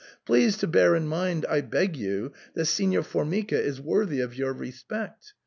Please to bear in mind, I beg you, that Signor Formica is worthy of your respect.